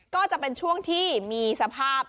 ก็จะเป็นช่วงที่มีสภาพ